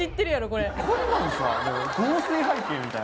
こんなんさ。